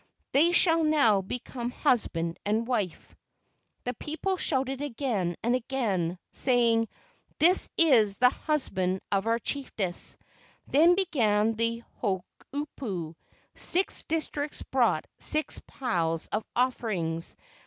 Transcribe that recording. They shall now become husband and wife." The people shouted again and again, saying, "This is the husband of our chief ess." Then began the hookupu. Six districts brought six piles of offerings.